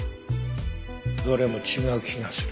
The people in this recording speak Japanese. どれも違う気がする。